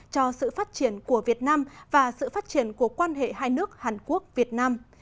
cho sự phát triển của việt nam và sự phát triển của quan hệ hai nước hàn quốc việt nam